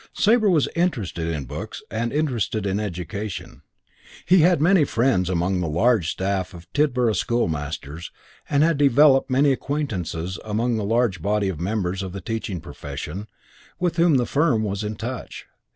Sabre was interested in books and interested in education. He had many friends among the large staff of Tidborough School masters and had developed many acquaintances among the large body of members of the teaching profession with whom the firm was in touch.